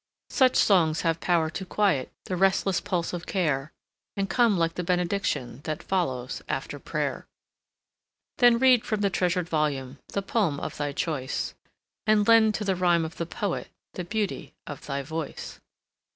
Such songs have a power to quiet The restless pulse of care, And comes like the benediction That follows after prayer. Then read from the treasured volume The poem of thy choice, And lend to the rhyme of the poet The beauty of thy voice.